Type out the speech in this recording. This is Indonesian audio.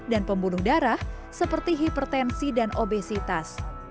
dan pembunuh darah seperti hipertensi dan obesitas